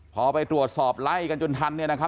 พอไปตรวจสอบไล่กันจนทันเนี่ยนะครับ